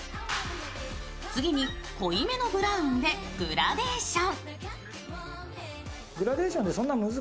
次に濃いめのブラウンでグラデーション。